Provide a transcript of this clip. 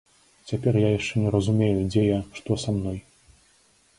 Цяпер я яшчэ не разумею, дзе я, што са мной.